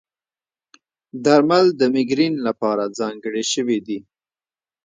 درمل د مېګرین لپاره ځانګړي شوي دي.